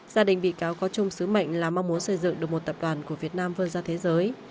gia đình bị cáo có chung sứ mệnh là mong muốn xây dựng được một tập đoàn của việt nam vươn ra thế giới